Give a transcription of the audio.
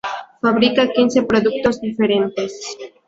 Fabrica quince productos diferentes.